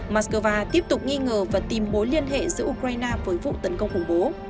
moscow tiếp tục nghi ngờ và tìm mối liên hệ giữa ukraine với vụ tấn công khủng bố